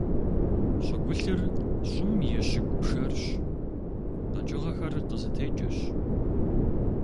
ЩӀыгулъыр - щӀым и щыгу пшэрщ, къэкӀыгъэхэр къызытекӀэщ.